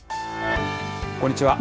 こんにちは。